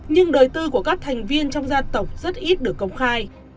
nhưng đời tư của các thành viên trong gia tộc rất ít được công khai